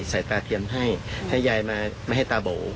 ใส่ตาเตรียมให้ให้ยายให้ตาโบ๋